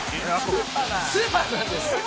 スーパーマンです。